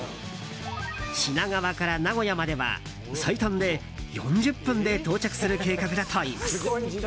品川から名古屋までは最短で４０分で到着する計画だといいます。